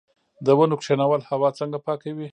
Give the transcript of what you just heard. د ونو کینول هوا څنګه پاکوي؟